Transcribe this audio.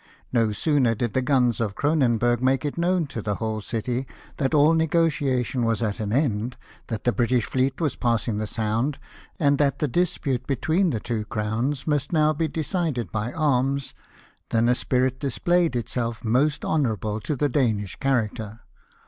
No sooner did the guns of Cronenburg make it known to the whole city that all negotiation was at an end, that the British Heet was passing the Sound, and that the dispute betAveen the two crowns must now be decided by arms, than a spirit displayed itself most honour able to the Danish character.